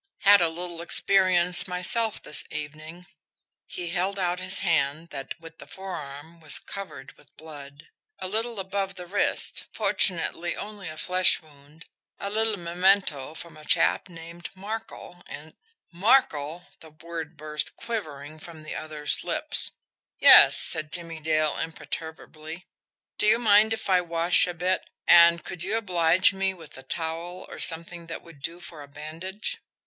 "Had a little experience myself this evening." He held out his hand that, with the forearm, was covered with blood. "A little above the wrist fortunately only a flesh wound a little memento from a chap named Markel, and " "MARKEL!" The word burst, quivering, from the other's lips. "Yes," said Jimmie Dale imperturbably. "Do you mind if I wash a bit and could you oblige me with a towel, or something that would do for a bandage?"